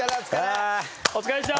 お疲れっした！